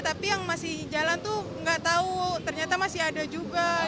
tapi yang masih jalan tuh nggak tahu ternyata masih ada juga